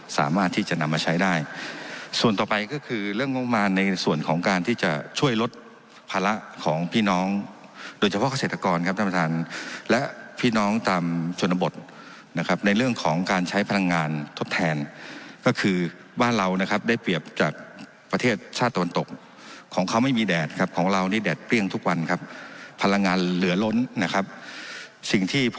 สามารถที่จะนำมาใช้ได้ส่วนต่อไปก็คือเรื่องงบประมาณในส่วนของการที่จะช่วยลดภาระของพี่น้องโดยเฉพาะเกษตรกรครับท่านประธานและพี่น้องตามชนบทนะครับในเรื่องของการใช้พลังงานทดแทนก็คือบ้านเรานะครับได้เปรียบจากประเทศชาติตะวันตกของเขาไม่มีแดดครับของเรานี่แดดเปรี้ยงทุกวันครับพลังงานเหลือล้นนะครับสิ่งที่พ